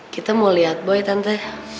kita mau lihat boy tante